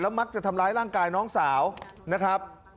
มักจะทำร้ายร่างกายน้องสาวนะครับ